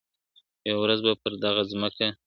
يوه ورځ پر دغه ځمکه ,